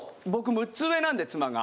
６つ上なんで妻が。